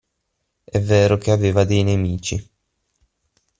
È vero che aveva dei nemici.